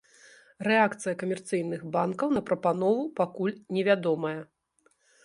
Рэакцыя камерцыйных банкаў на прапанову пакуль невядомая.